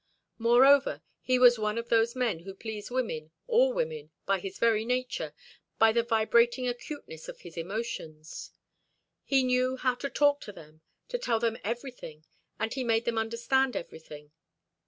Moreover, he was one of those men who please women, all women, by his very nature, by the vibrating acuteness of his emotions. He knew how to talk to them, to tell them everything, and he made them understand everything.